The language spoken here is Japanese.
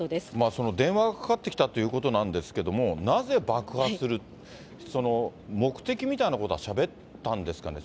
その電話がかかってきたということなんですけれども、なぜ爆破する、目的みたいなことはしゃべったんですかね？